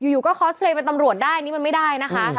อยู่ก็คอสเพลย์เป็นตำรวจได้นี่มันไม่ได้นะคะ